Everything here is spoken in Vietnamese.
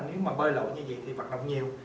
nó bơi lội như vậy thì vận động nhiều